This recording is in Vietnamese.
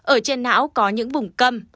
ở trên não có những vùng cầm